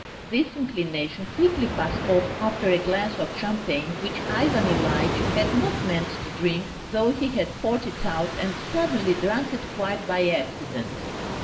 This inclination quickly passed off after a glass of champagne which Ivan Ilyitch had not meant to drink, though he had poured it out and suddenly drunk it quite by accident.